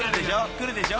くるでしょ？